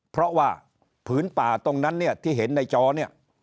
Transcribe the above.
เพราะว่าผืนป่าตรงนั้นเนี่ยที่เห็นในจอเนี่ย